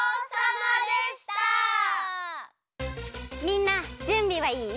みんなじゅんびはいい？